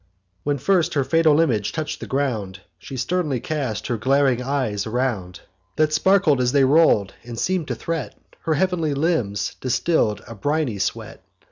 When first her fatal image touch'd the ground, She sternly cast her glaring eyes around, That sparkled as they roll'd, and seem'd to threat: Her heav'nly limbs distill'd a briny sweat.